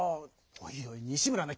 おいおい西村アナ